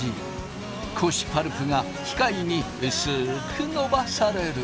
古紙パルプが機械にうすくのばされる。